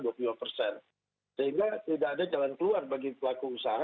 sehingga tidak ada jalan keluar bagi pelaku usaha